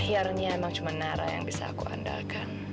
siarnya emang cuma nara yang bisa aku andalkan